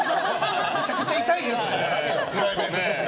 めちゃくちゃ痛いやつじゃん。